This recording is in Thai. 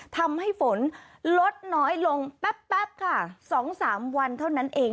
ทำให้ฝนลดน้อยลงแป๊บค่ะ๒๓วันเท่านั้นเอง